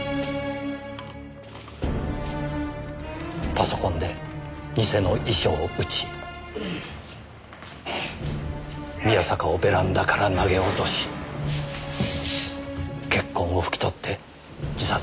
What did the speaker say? パソコンで偽の遺書を打ち宮坂をベランダから投げ落とし血痕を拭き取って自殺に見せかけた。